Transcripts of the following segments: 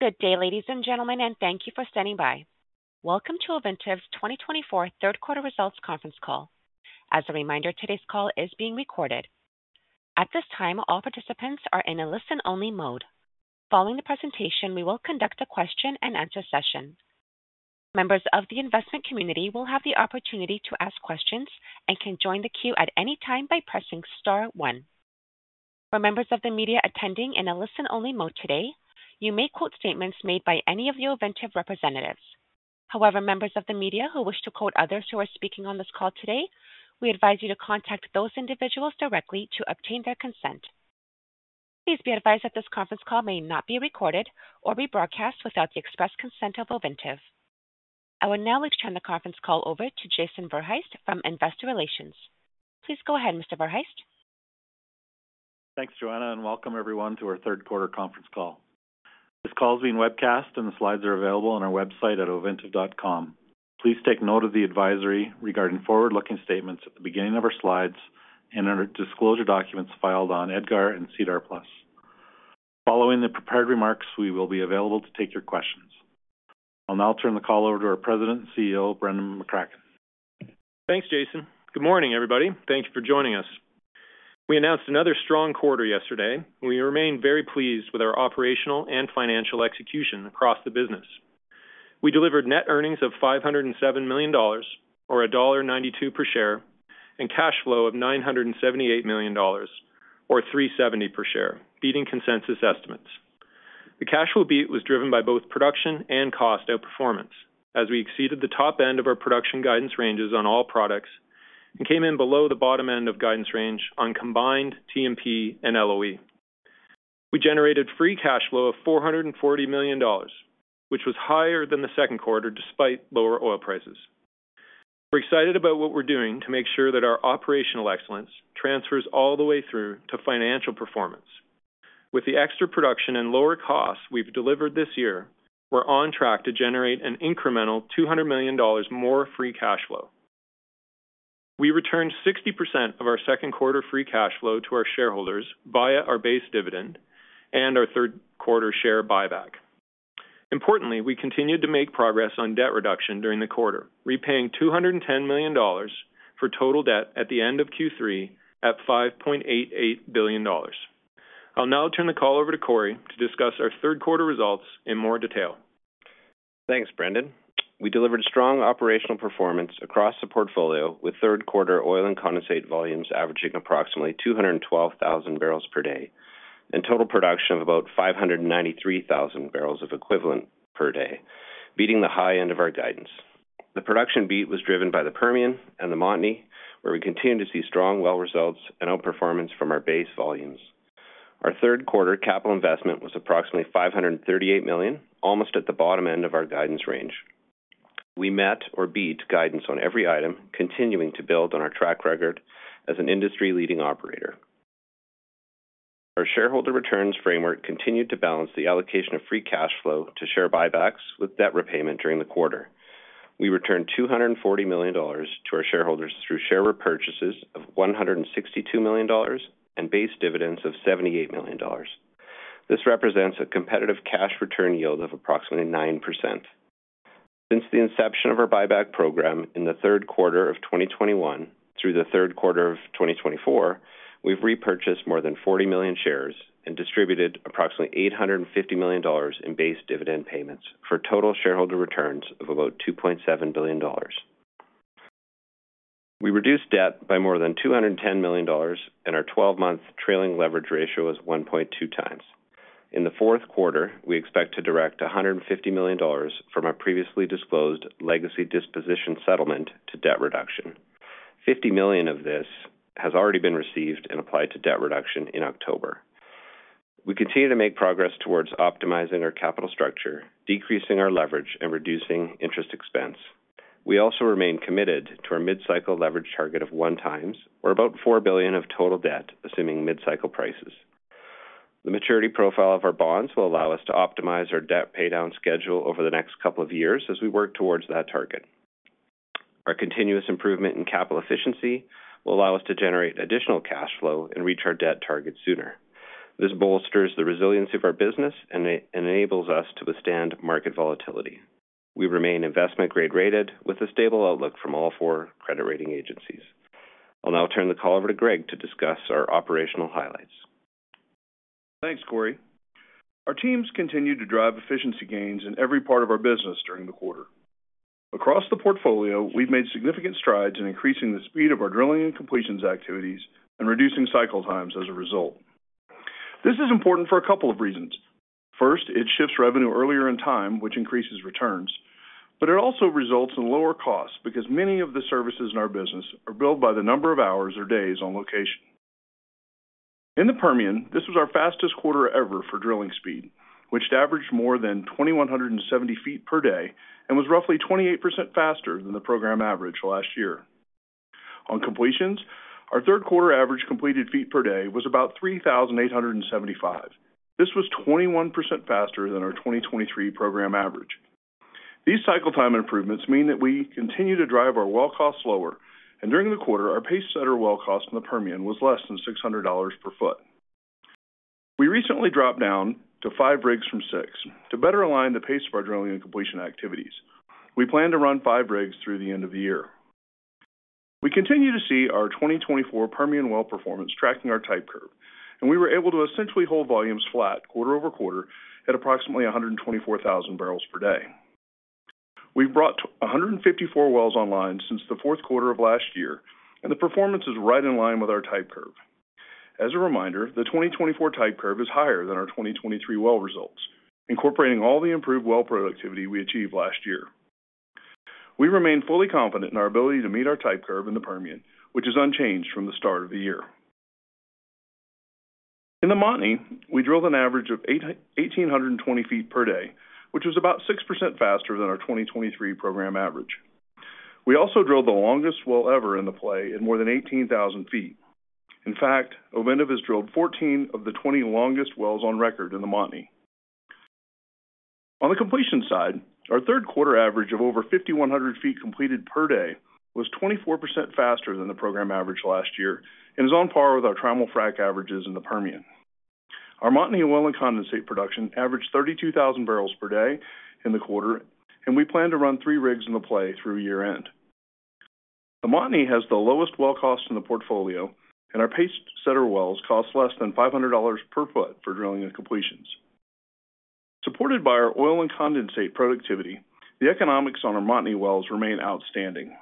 Good day, ladies and gentlemen, and thank you for standing by. Welcome to Ovintiv's 2024 third quarter results conference call. As a reminder, today's call is being recorded. At this time, all participants are in a listen-only mode. Following the presentation, we will conduct a question-and-answer session. Members of the investment community will have the opportunity to ask questions and can join the queue at any time by pressing star one. For members of the media attending in a listen-only mode today, you may quote statements made by any of the Ovintiv representatives. However, members of the media who wish to quote others who are speaking on this call today, we advise you to contact those individuals directly to obtain their consent. Please be advised that this conference call may not be recorded or be broadcast without the express consent of Ovintiv. I will now return the conference call over to Jason Verhaest from Investor Relations. Please go ahead, Mr. Verhaest. Thanks, Joanna, and welcome everyone to our third quarter conference call. This call is being webcast, and the slides are available on our website at ovintiv.com. Please take note of the advisory regarding forward-looking statements at the beginning of our slides and our disclosure documents filed on EDGAR and SEDAR+. Following the prepared remarks, we will be available to take your questions. I'll now turn the call over to our President and CEO, Brendan McCracken. Thanks, Jason. Good morning, everybody. Thank you for joining us. We announced another strong quarter yesterday, and we remain very pleased with our operational and financial execution across the business. We delivered net earnings of $507 million, or $1.92 per share, and cash flow of $978 million, or $370 per share, beating consensus estimates. The cash flow beat was driven by both production and cost outperformance as we exceeded the top end of our production guidance ranges on all products and came in below the bottom end of guidance range on combined T&P and LOE. We generated free cash flow of $440 million, which was higher than the second quarter despite lower oil prices. We're excited about what we're doing to make sure that our operational excellence transfers all the way through to financial performance. With the extra production and lower costs we've delivered this year, we're on track to generate an incremental $200 million more free cash flow. We returned 60% of our second quarter free cash flow to our shareholders via our base dividend and our third quarter share buyback. Importantly, we continued to make progress on debt reduction during the quarter, repaying $210 million, for total debt at the end of Q3 at $5.88 billion. I'll now turn the call over to Corey to discuss our third quarter results in more detail. Thanks, Brendan. We delivered strong operational performance across the portfolio with third quarter oil and condensate volumes averaging approximately 212,000 barrels per day and total production of about 593,000 barrels of oil equivalent per day, beating the high end of our guidance. The production beat was driven by the Permian and the Montney, where we continued to see strong oil results and outperformance from our base volumes. Our third quarter capital investment was approximately $538 million, almost at the bottom end of our guidance range. We met or beat guidance on every item, continuing to build on our track record as an industry-leading operator. Our shareholder returns framework continued to balance the allocation of free cash flow to share buybacks with debt repayment during the quarter. We returned $240 million to our shareholders through share repurchases of $162 million and base dividends of $78 million. This represents a competitive cash return yield of approximately 9%. Since the inception of our buyback program in the third quarter of 2021 through the third quarter of 2024, we've repurchased more than 40 million shares and distributed approximately $850 million in base dividend payments for total shareholder returns of about $2.7 billion. We reduced debt by more than $210 million, and our 12-month trailing leverage ratio is 1.2x. In the fourth quarter, we expect to direct $150 million from our previously disclosed legacy disposition settlement to debt reduction. $50 million of this has already been received and applied to debt reduction in October. We continue to make progress towards optimizing our capital structure, decreasing our leverage, and reducing interest expense. We also remain committed to our mid-cycle leverage target of 1x, or about $4 billion of total debt, assuming mid-cycle prices. The maturity profile of our bonds will allow us to optimize our debt paydown schedule over the next couple of years as we work towards that target. Our continuous improvement in capital efficiency will allow us to generate additional cash flow and reach our debt target sooner. This bolsters the resiliency of our business and enables us to withstand market volatility. We remain investment-grade rated with a stable outlook from all four credit rating agencies. I'll now turn the call over to Greg to discuss our operational highlights. Thanks, Corey. Our teams continue to drive efficiency gains in every part of our business during the quarter. Across the portfolio, we've made significant strides in increasing the speed of our drilling and completions activities and reducing cycle times as a result. This is important for a couple of reasons. First, it shifts revenue earlier in time, which increases returns, but it also results in lower costs because many of the services in our business are billed by the number of hours or days on location. In the Permian, this was our fastest quarter ever for drilling speed, which averaged more than 2,170 ft per day and was roughly 28% faster than the program average last year. On completions, our third quarter average completed feet per day was about 3,875 ft. This was 21% faster than our 2023 program average. These cycle time improvements mean that we continue to drive our well costs lower, and during the quarter, our pacesetter well cost in the Permian was less than $600 per foot. We recently dropped down to five rigs from six to better align the pace of our drilling and completion activities. We plan to run five rigs through the end of the year. We continue to see our 2024 Permian well performance tracking our type curve, and we were able to essentially hold volumes flat quarter-over quarter at approximately 124,000 barrels per day. We've brought 154 wells online since the fourth quarter of last year, and the performance is right in line with our type curve. As a reminder, the 2024 type curve is higher than our 2023 well results, incorporating all the improved well productivity we achieved last year. We remain fully confident in our ability to meet our type curve in the Permian, which is unchanged from the start of the year. In the Montney, we drilled an average of 1,820 ft per day, which was about 6% faster than our 2023 program average. We also drilled the longest well ever in the play at more than 18,000 ft. In fact, Ovintiv has drilled 14 of the 20 longest wells on record in the Montney. On the completion side, our third quarter average of over 5,100 ft completed per day was 24% faster than the program average last year and is on par with our Trimul-Frac averages in the Permian. Our Montney oil and condensate production averaged 32,000 barrels per day in the quarter, and we plan to run three rigs in the play through year-end. The Montney has the lowest well cost in the portfolio, and our pacesetter wells cost less than $500 per foot for drilling and completions. Supported by our oil and condensate productivity, the economics on our Montney wells remain outstanding.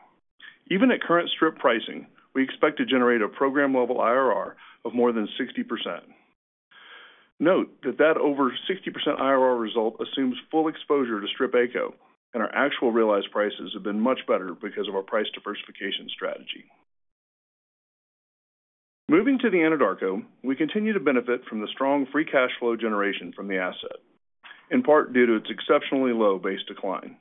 Even at current strip pricing, we expect to generate a program-level IRR of more than 60%. Note that over 60% IRR result assumes full exposure to strip AECO, and our actual realized prices have been much better because of our price diversification strategy. Moving to the Anadarko, we continue to benefit from the strong free cash flow generation from the asset, in part due to its exceptionally low base decline.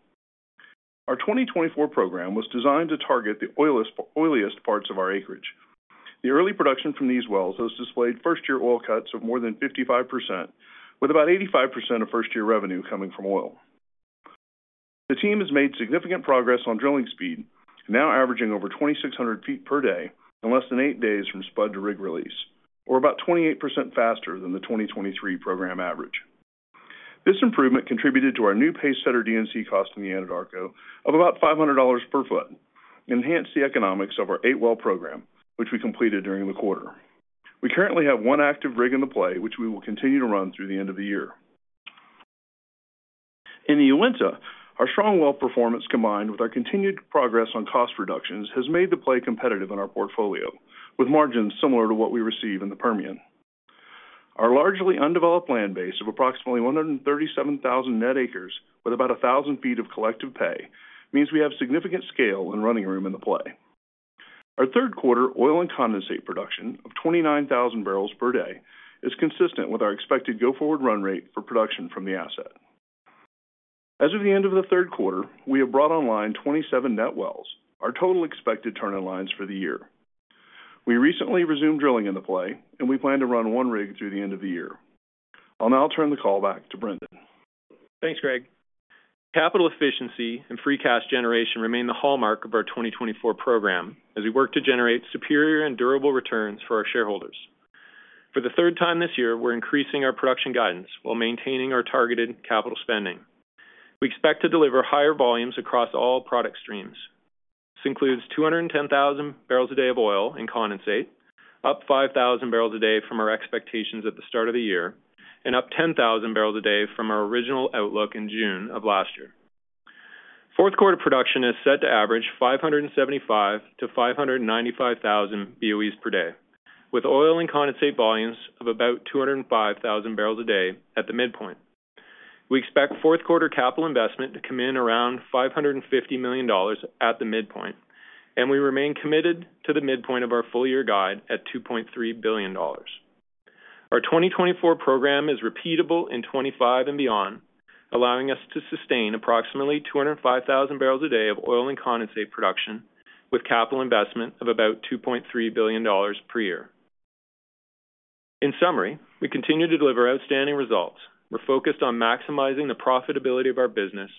Our 2024 program was designed to target the oiliest parts of our acreage. The early production from these wells has displayed first-year oil cuts of more than 55%, with about 85% of first-year revenue coming from oil. The team has made significant progress on drilling speed, now averaging over 2,600 ft per day in less than eight days from spud to rig release, or about 28% faster than the 2023 program average. This improvement contributed to our new pacesetter D&C cost in the Anadarko of about $500 per foot and enhanced the economics of our eight well program, which we completed during the quarter. We currently have one active rig in the play, which we will continue to run through the end of the year. In the Uinta, our strong well performance combined with our continued progress on cost reductions has made the play competitive in our portfolio, with margins similar to what we receive in the Permian. Our largely undeveloped land base of approximately 137,000 net acres with about 1,000 ft of collective pay means we have significant scale and running room in the play. Our third quarter oil and condensate production of 29,000 barrels per day is consistent with our expected go-forward run rate for production from the asset. As of the end of the third quarter, we have brought online 27 net wells. Our total expected turn-in lines for the year. We recently resumed drilling in the play, and we plan to run one rig through the end of the year. I'll now turn the call back to Brendan. Thanks, Greg. Capital efficiency and free cash generation remain the hallmark of our 2024 program as we work to generate superior and durable returns for our shareholders. For the third time this year, we're increasing our production guidance while maintaining our targeted capital spending. We expect to deliver higher volumes across all product streams. This includes 210,000 barrels a day of oil and condensate, up 5,000 barrels a day from our expectations at the start of the year, and up 10,000 barrels a day from our original outlook in June of last year. Fourth quarter production is set to average 575,000-595,000 BOEs per day, with oil and condensate volumes of about 205,000 barrels a day at the midpoint. We expect fourth quarter capital investment to come in around $550 million at the midpoint, and we remain committed to the midpoint of our full-year guide at $2.3 billion. Our 2024 program is repeatable in 2025 and beyond, allowing us to sustain approximately 205,000 barrels a day of oil and condensate production with capital investment of about $2.3 billion per year. In summary, we continue to deliver outstanding results. We're focused on maximizing the profitability of our business,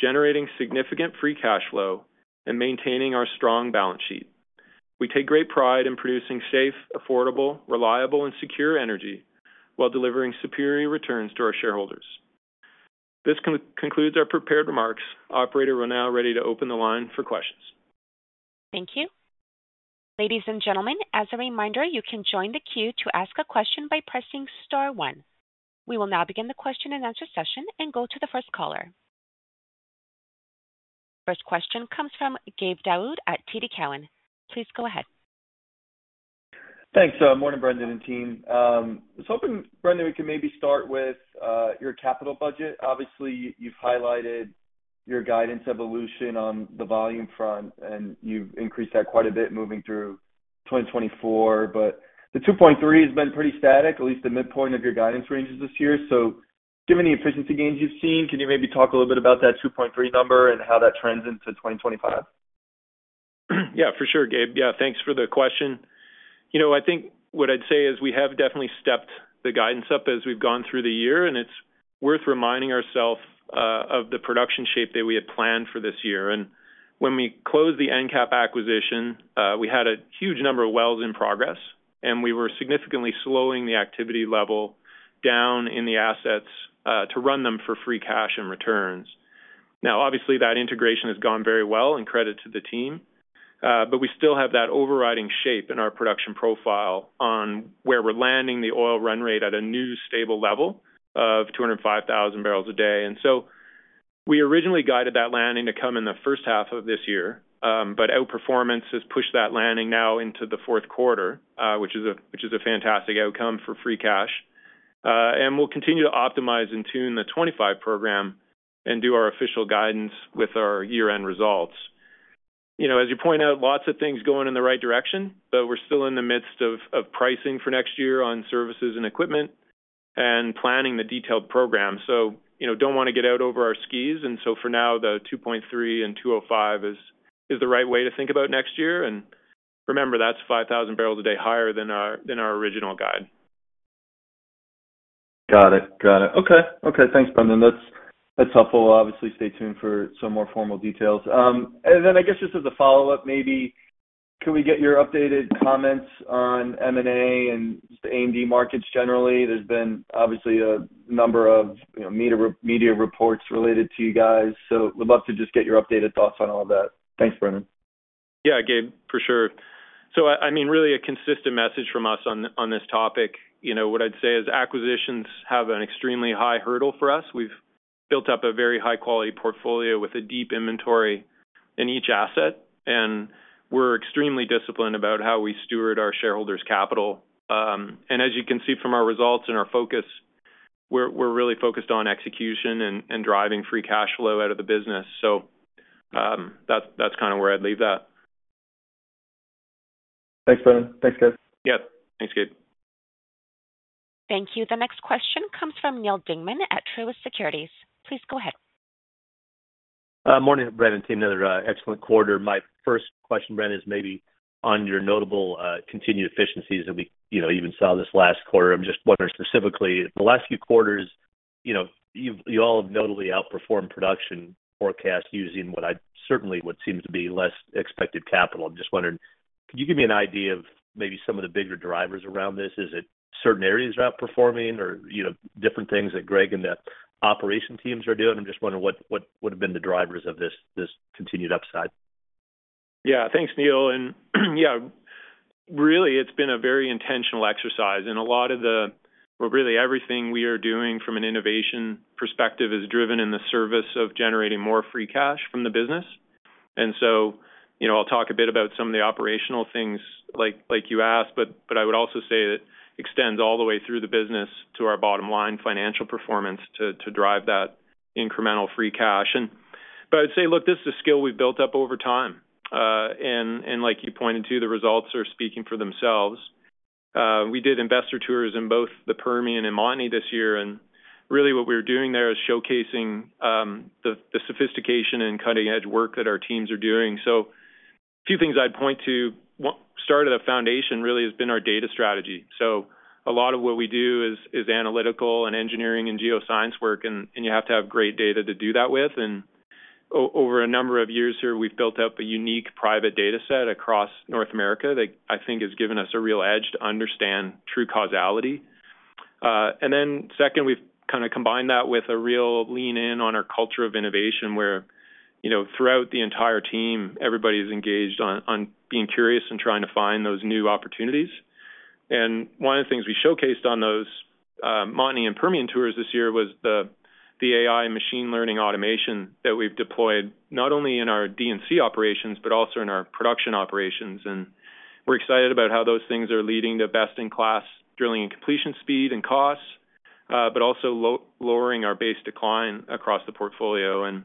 generating significant free cash flow, and maintaining our strong balance sheet. We take great pride in producing safe, affordable, reliable, and secure energy while delivering superior returns to our shareholders. This concludes our prepared remarks. Operator, we are now ready to open the line for questions. Thank you. Ladies and gentlemen, as a reminder, you can join the queue to ask a question by pressing star one. We will now begin the question-and-answer session and go to the first caller. First question comes from Gabe Daoud at TD Cowen. Please go ahead. Thanks. Morning, Brendan and team. I was hoping, Brendan, we can maybe start with your capital budget. Obviously, you've highlighted your guidance evolution on the volume front, and you've increased that quite a bit moving through 2024, but the $2.3 billion has been pretty static, at least the midpoint of your guidance ranges this year, so given the efficiency gains you've seen, can you maybe talk a little bit about that $2.3 billion number and how that trends into 2025? Yeah, for sure, Gabe. Yeah, thanks for the question. You know, I think what I'd say is we have definitely stepped the guidance up as we've gone through the year, and it's worth reminding ourselves of the production shape that we had planned for this year. And when we closed the EnCap acquisition, we had a huge number of wells in progress, and we were significantly slowing the activity level down in the assets to run them for free cash and returns. Now, obviously, that integration has gone very well, and credit to the team, but we still have that overriding shape in our production profile on where we're landing the oil run rate at a new stable level of 205,000 barrels a day. And so we originally guided that landing to come in the first half of this year, but outperformance has pushed that landing now into the fourth quarter, which is a fantastic outcome for free cash. And we'll continue to optimize and tune the 2025 program and do our official guidance with our year-end results. You know, as you point out, lots of things going in the right direction, but we're still in the midst of pricing for next year on services and equipment and planning the detailed program. So, you know, don't want to get out over our skis. And so for now, the 2.3 and 205 is the right way to think about next year. And remember, that's 5,000 barrels a day higher than our original guide. Got it. Got it. Okay. Okay. Thanks, Brendan. That's helpful. Obviously, stay tuned for some more formal details and then I guess just as a follow-up, maybe can we get your updated comments on M&A and just the A&D markets generally? There's been obviously a number of media reports related to you guys, so we'd love to just get your updated thoughts on all of that. Thanks, Brendan. Yeah, Gabe, for sure. So I mean, really a consistent message from us on this topic. You know, what I'd say is acquisitions have an extremely high hurdle for us. We've built up a very high-quality portfolio with a deep inventory in each asset, and we're extremely disciplined about how we steward our shareholders' capital. And as you can see from our results and our focus, we're really focused on execution and driving free cash flow out of the business. So that's kind of where I'd leave that. Thanks, Brendan. Thanks, guys. Yep. Thanks, Gabe. Thank you. The next question comes from Neal Dingmann at Truist Securities. Please go ahead. Morning, Brendan and team. Another excellent quarter. My first question, Brendan, is maybe on your notable continued efficiencies that we even saw this last quarter. I'm just wondering specifically, the last few quarters, you all have notably outperformed production forecasts using what I certainly would seem to be less expected capital. I'm just wondering, could you give me an idea of maybe some of the bigger drivers around this? Is it certain areas are outperforming or different things that Greg and the operation teams are doing? I'm just wondering what would have been the drivers of this continued upside? Yeah, thanks, Neal. And yeah, really, it's been a very intentional exercise. And a lot of the, well, really everything we are doing from an innovation perspective is driven in the service of generating more free cash from the business. And so I'll talk a bit about some of the operational things like you asked, but I would also say it extends all the way through the business to our bottom line financial performance to drive that incremental free cash. But I would say, look, this is a skill we've built up over time. And like you pointed to, the results are speaking for themselves. We did investor tours in both the Permian and Montney this year. And really what we were doing there is showcasing the sophistication and cutting-edge work that our teams are doing. So a few things I'd point to start at a foundation really has been our data strategy, so a lot of what we do is analytical and engineering and geoscience work, and you have to have great data to do that with, and over a number of years here, we've built up a unique private data set across North America that I think has given us a real edge to understand true causality, and then second, we've kind of combined that with a real lean-in on our culture of innovation where throughout the entire team, everybody is engaged on being curious and trying to find those new opportunities, and one of the things we showcased on those Montney and Permian tours this year was the AI machine learning automation that we've deployed not only in our D&C operations, but also in our production operations. And we're excited about how those things are leading to best-in-class drilling and completion speed and costs, but also lowering our base decline across the portfolio. And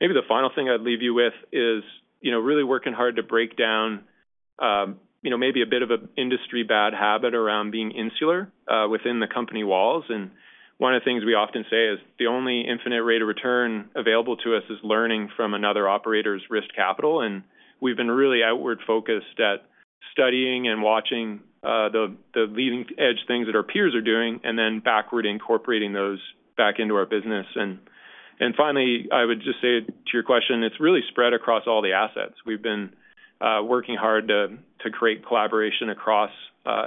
maybe the final thing I'd leave you with is really working hard to break down maybe a bit of an industry bad habit around being insular within the company walls. And one of the things we often say is the only infinite rate of return available to us is learning from another operator's risk capital. And we've been really outward-focused at studying and watching the leading-edge things that our peers are doing and then backward incorporating those back into our business. And finally, I would just say to your question, it's really spread across all the assets. We've been working hard to create collaboration across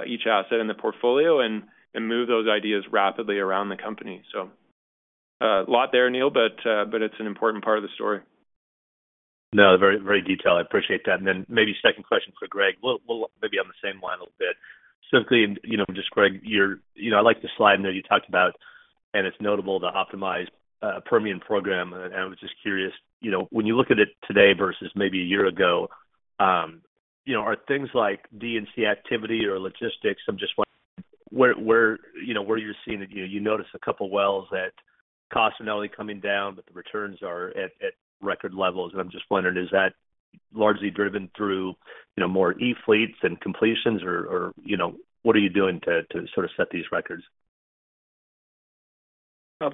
each asset in the portfolio and move those ideas rapidly around the company. So a lot there, Neal, but it's an important part of the story. No, very detailed. I appreciate that. And then maybe second question for Greg. Well, maybe on the same line a little bit. Simply, just Greg, I like the slide that you talked about, and it's notable, the optimized Permian program. And I was just curious, when you look at it today versus maybe a year ago, are things like D&C activity or logistics. I'm just wondering where you're seeing that you notice a couple of wells that the costs are not only coming down, but the returns are at record levels. And I'm just wondering, is that largely driven through more E-fleets and completions, or what are you doing to sort of set these records?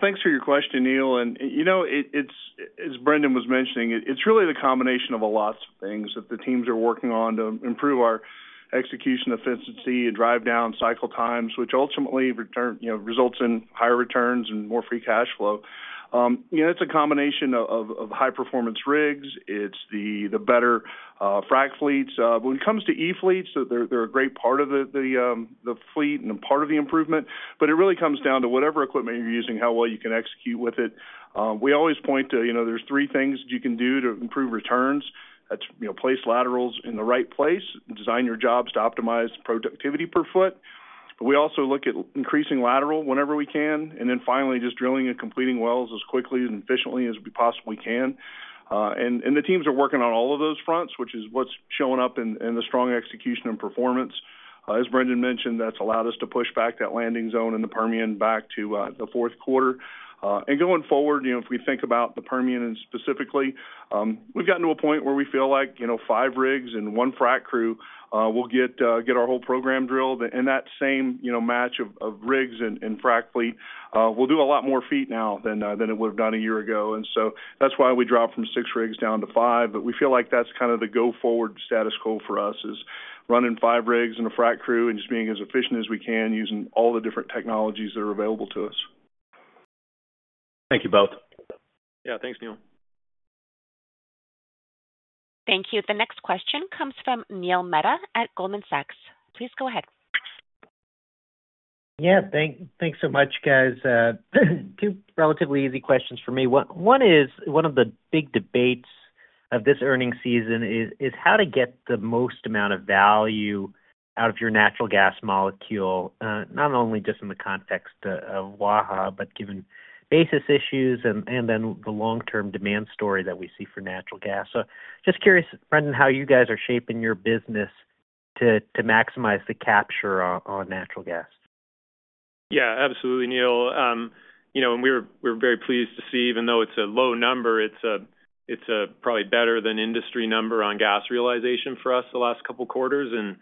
Thanks for your question, Neal. As Brendan was mentioning, it's really the combination of a lot of things that the teams are working on to improve our execution efficiency and drive down cycle times, which ultimately results in higher returns and more free cash flow. It's a combination of high-performance rigs. It's the better frac fleets. When it comes to E-fleets, they're a great part of the fleet and a part of the improvement, but it really comes down to whatever equipment you're using, how well you can execute with it. We always point to there's three things you can do to improve returns. That's place laterals in the right place, design your jobs to optimize productivity per foot. We also look at increasing lateral whenever we can, and then finally just drilling and completing wells as quickly and efficiently as we possibly can. And the teams are working on all of those fronts, which is what's showing up in the strong execution and performance. As Brendan mentioned, that's allowed us to push back that landing zone in the Permian back to the fourth quarter. And going forward, if we think about the Permian specifically, we've gotten to a point where we feel like five rigs and one frac crew will get our whole program drilled. And that same match of rigs and frac fleet, we'll do a lot more feet now than it would have done a year ago. And so that's why we dropped from six rigs down to five. But we feel like that's kind of the go-forward status quo for us is running five rigs and a frac crew and just being as efficient as we can using all the different technologies that are available to us. Thank you both. Yeah, thanks, Neal. Thank you. The next question comes from Neil Mehta at Goldman Sachs. Please go ahead. Yeah, thanks so much, guys. Two relatively easy questions for me. One is one of the big debates of this earnings season is how to get the most amount of value out of your natural gas molecule, not only just in the context of Waha, but given basis issues and then the long-term demand story that we see for natural gas. So just curious, Brendan, how you guys are shaping your business to maximize the capture on natural gas? Yeah, absolutely, Neil. And we're very pleased to see, even though it's a low number, it's probably better than industry number on gas realization for us the last couple of quarters. And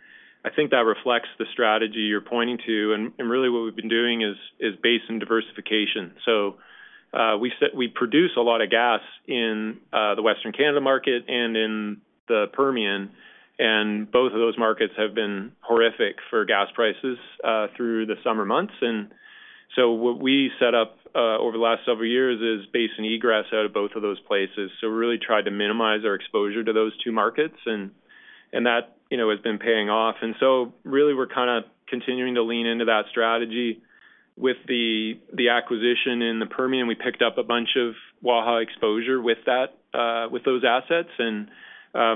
I think that reflects the strategy you're pointing to. And really what we've been doing is basin diversification. So we produce a lot of gas in the Western Canada market and in the Permian. And both of those markets have been horrific for gas prices through the summer months. And so what we set up over the last several years is basin and egress out of both of those places. So we really tried to minimize our exposure to those two markets, and that has been paying off. And so really we're kind of continuing to lean into that strategy with the acquisition in the Permian. We picked up a bunch of Waha exposure with those assets. And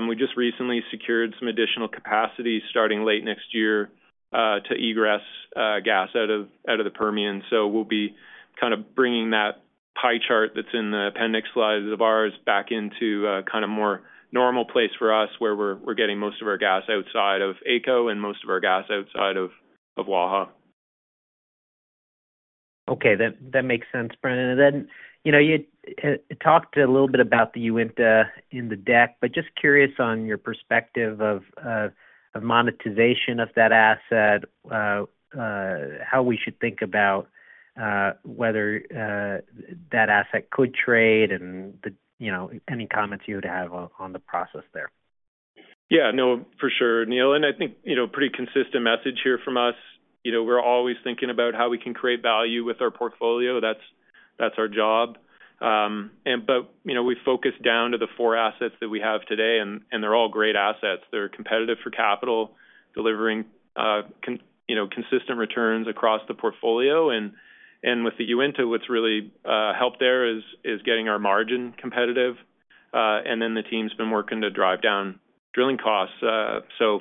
we just recently secured some additional capacity starting late next year to egress gas out of the Permian. So we'll be kind of bringing that pie chart that's in the appendix slides of ours back into kind of more normal place for us where we're getting most of our gas outside of AECO and most of our gas outside of Waha. Okay, that makes sense, Brendan. And then you talked a little bit about the Uinta in the deck, but just curious on your perspective of monetization of that asset, how we should think about whether that asset could trade and any comments you would have on the process there? Yeah, no, for sure, Neil. And I think pretty consistent message here from us. We're always thinking about how we can create value with our portfolio. That's our job. But we focus down to the four assets that we have today, and they're all great assets. They're competitive for capital, delivering consistent returns across the portfolio. And with the Uinta, what's really helped there is getting our margin competitive. And then the team's been working to drive down drilling costs. So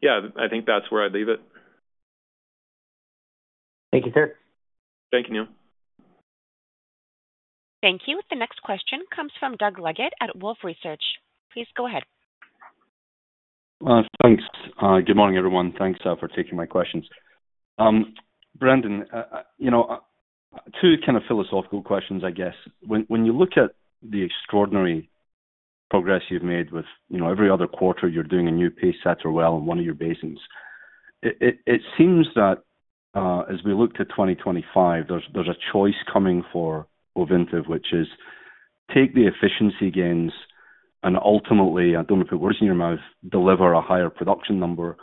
yeah, I think that's where I'd leave it. Thank you, sir. Thank you, Neil. Thank you. The next question comes from Doug Leggate at Wolfe Research. Please go ahead. Thanks. Good morning, everyone. Thanks for taking my questions. Brendan, two kind of philosophical questions, I guess. When you look at the extraordinary progress you've made with every other quarter, you're doing a new pacesetter well in one of your basins. It seems that as we look to 2025, there's a choice coming for Ovintiv, which is take the efficiency gains and ultimately, I don't want to put words in your mouth, deliver a higher production number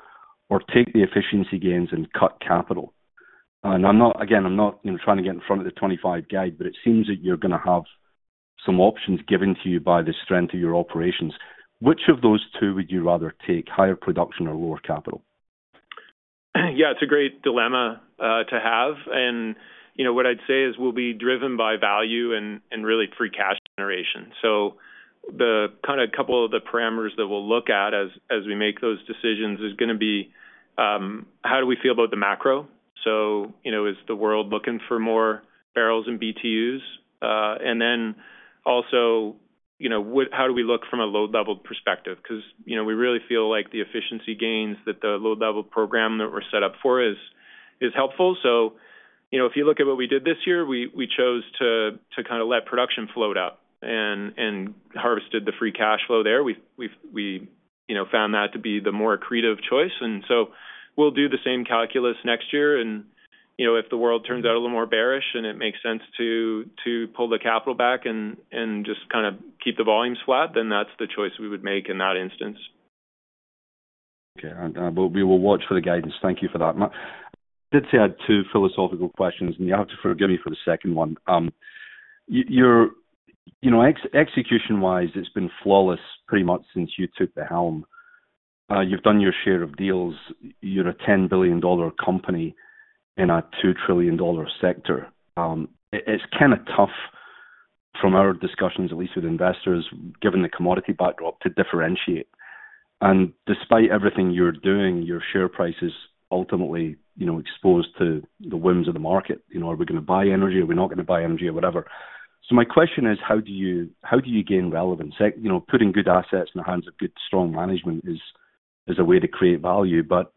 or take the efficiency gains and cut capital. And again, I'm not trying to get in front of the 2025 guide, but it seems that you're going to have some options given to you by the strength of your operations. Which of those two would you rather take, higher production or lower capital? Yeah, it's a great dilemma to have. And what I'd say is we'll be driven by value and really free cash generation. So kind of a couple of the parameters that we'll look at as we make those decisions is going to be how do we feel about the macro? So is the world looking for more barrels and BTUs? And then also, how do we look from a low-level perspective? Because we really feel like the efficiency gains that the low-level program that we're set up for is helpful. So if you look at what we did this year, we chose to kind of let production float out and harvested the free cash flow there. We found that to be the more creative choice. And so we'll do the same calculus next year. If the world turns out a little more bearish and it makes sense to pull the capital back and just kind of keep the volumes flat, then that's the choice we would make in that instance. Okay. We will watch for the guidance. Thank you for that. I did say I had two philosophical questions, and you have to forgive me for the second one. Execution-wise, it's been flawless pretty much since you took the helm. You've done your share of deals. You're a $10-billion company in a $2-trillion sector. It's kind of tough from our discussions, at least with investors, given the commodity backdrop, to differentiate. And despite everything you're doing, your share price is ultimately exposed to the whims of the market. Are we going to buy energy? Are we not going to buy energy or whatever? So my question is, how do you gain relevance? Putting good assets in the hands of good, strong management is a way to create value. But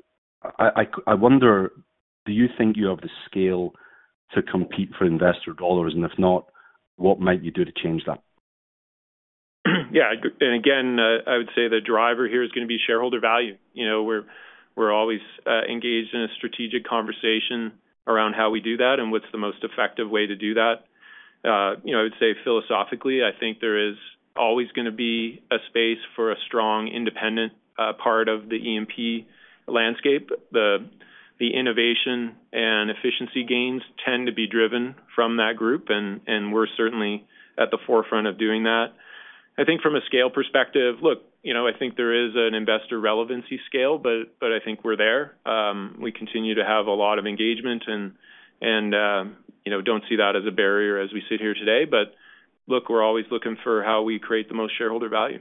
I wonder, do you think you have the scale to compete for investor dollars? If not, what might you do to change that? Yeah, and again, I would say the driver here is going to be shareholder value. We're always engaged in a strategic conversation around how we do that and what's the most effective way to do that. I would say philosophically, I think there is always going to be a space for a strong independent part of the E&P landscape. The innovation and efficiency gains tend to be driven from that group, and we're certainly at the forefront of doing that. I think from a scale perspective, look, I think there is an investor relevancy scale, but I think we're there. We continue to have a lot of engagement and don't see that as a barrier as we sit here today. But look, we're always looking for how we create the most shareholder value.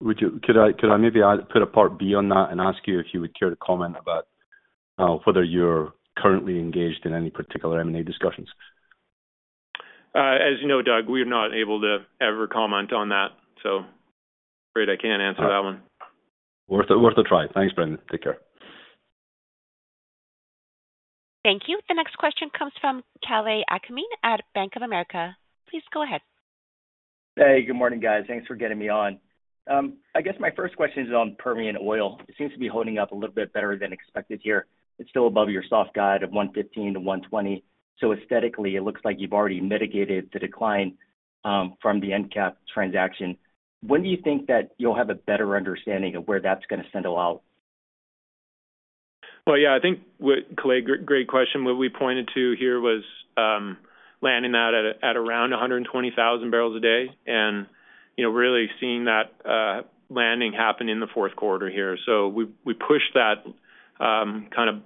Could I maybe put a part B on that and ask you if you would care to comment about whether you're currently engaged in any particular M&A discussions? As you know, Doug, we're not able to ever comment on that. So afraid I can't answer that one. Worth a try. Thanks, Brendan. Take care. Thank you. The next question comes from Kalei Akamine at Bank of America. Please go ahead. Hey, good morning, guys. Thanks for getting me on. I guess my first question is on Permian oil. It seems to be holding up a little bit better than expected here. It's still above your soft guide of 115-120. So aesthetically, it looks like you've already mitigated the decline from the EnCap transaction. When do you think that you'll have a better understanding of where that's going to settle out? Yeah, I think, Kalei, great question. What we pointed to here was landing that at around 120,000 barrels a day and really seeing that landing happen in the fourth quarter here, so we pushed that kind of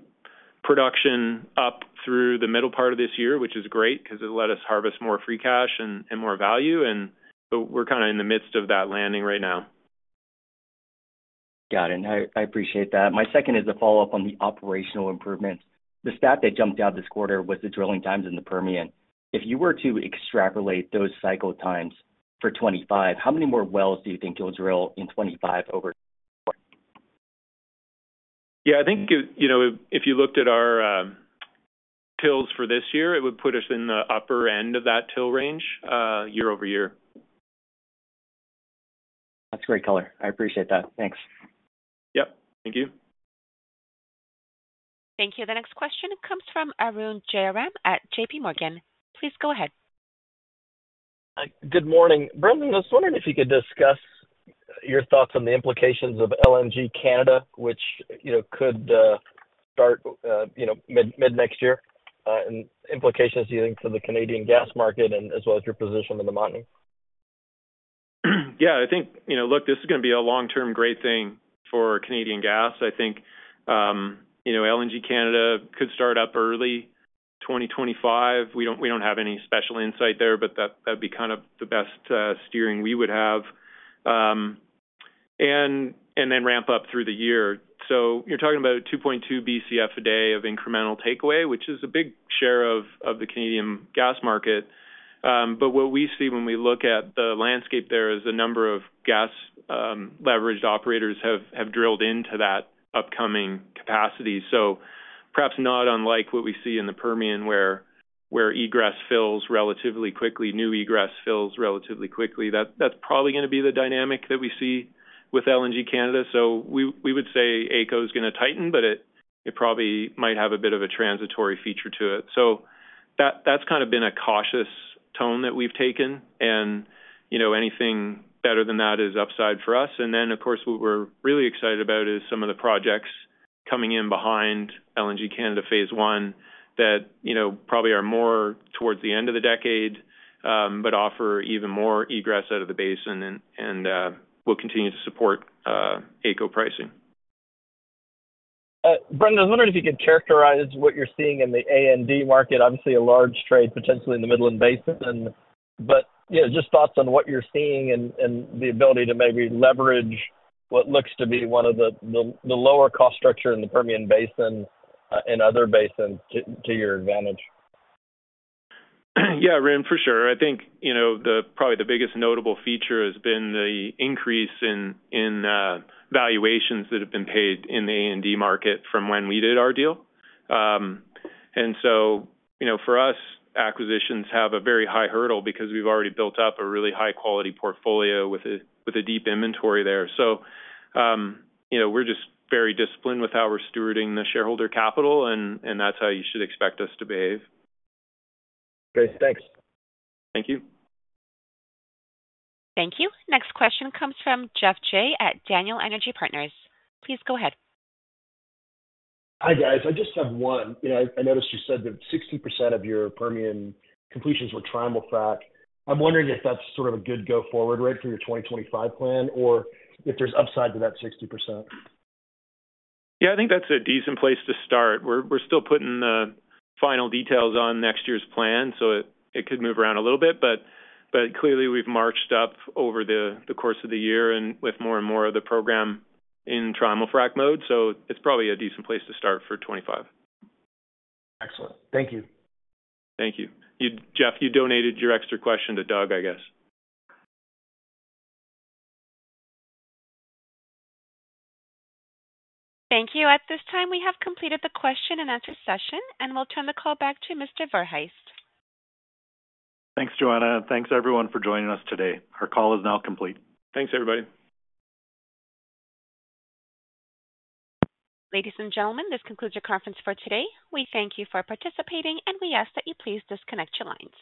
production up through the middle part of this year, which is great because it let us harvest more free cash and more value, and we're kind of in the midst of that landing right now. Got it. And I appreciate that. My second is a follow-up on the operational improvements. The stat that jumped out this quarter was the drilling times in the Permian. If you were to extrapolate those cycle times for 2025, how many more wells do you think you'll drill in 2025 over 2024? Yeah, I think if you looked at our tilts for this year, it would put us in the upper end of that tilt range year-over-year. That's great color. I appreciate that. Thanks. Yep. Thank you. Thank you. The next question comes from Arun Jayaram at JPMorgan. Please go ahead. Good morning. Brendan, I was wondering if you could discuss your thoughts on the implications of LNG Canada, which could start mid-next year, and implications do you think for the Canadian gas market and as well as your position in the Montney? Yeah, I think, look, this is going to be a long-term great thing for Canadian gas. I think LNG Canada could start up early 2025. We don't have any special insight there, but that'd be kind of the best steering we would have, and then ramp up through the year, so you're talking about 2.2 BCF a day of incremental takeaway, which is a big share of the Canadian gas market, but what we see when we look at the landscape there is a number of gas leveraged operators have drilled into that upcoming capacity, so perhaps not unlike what we see in the Permian, where egress fills relatively quickly, new egress fills relatively quickly. That's probably going to be the dynamic that we see with LNG Canada, so we would say AECO is going to tighten, but it probably might have a bit of a transitory feature to it. So that's kind of been a cautious tone that we've taken. And anything better than that is upside for us. And then, of course, what we're really excited about is some of the projects coming in behind LNG Canada phase I that probably are more towards the end of the decade, but offer even more egress out of the basin, and we'll continue to support AECO pricing. Brendan, I was wondering if you could characterize what you're seeing in the A&D market, obviously a large trade potentially in the Midland Basin, but just thoughts on what you're seeing and the ability to maybe leverage what looks to be one of the lower cost structure in the Permian Basin and other basins to your advantage. Yeah, Arun, for sure. I think probably the biggest notable feature has been the increase in valuations that have been paid in the A&D market from when we did our deal. And so for us, acquisitions have a very high hurdle because we've already built up a really high-quality portfolio with a deep inventory there. So we're just very disciplined with how we're stewarding the shareholder capital, and that's how you should expect us to behave. Great. Thanks. Thank you. Thank you. Next question comes from Geoff Jay at Daniel Energy Partners. Please go ahead. Hi, guys. I just have one. I noticed you said that 60% of your Permian completions were Trimul-Frac. I'm wondering if that's sort of a good go-forward rate for your 2025 plan or if there's upside to that 60%. Yeah, I think that's a decent place to start. We're still putting the final details on next year's plan, so it could move around a little bit. But clearly, we've marched up over the course of the year and with more and more of the program in Trimul-Frac mode. So it's probably a decent place to start for 2025. Excellent. Thank you. Thank you. Geoff, you donated your extra question to Doug, I guess. Thank you. At this time, we have completed the question-and-answer session, and we'll turn the call back to Mr. Verhaest. Thanks, Joanna. And thanks, everyone, for joining us today. Our call is now complete. Thanks, everybody. Ladies and gentlemen, this concludes your conference for today. We thank you for participating, and we ask that you please disconnect your lines.